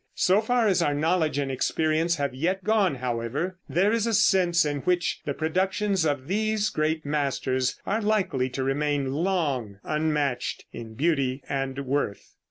So far as our knowledge and experience have yet gone, however, there is a sense in which the productions of these great masters are likely to remain long unmatched in beauty and worth.